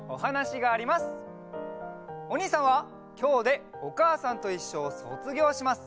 おにいさんはきょうで「おかあさんといっしょ」をそつぎょうします。